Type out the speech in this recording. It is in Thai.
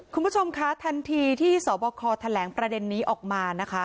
คุณผู้ชมคะทันทีที่สบคแถลงประเด็นนี้ออกมานะคะ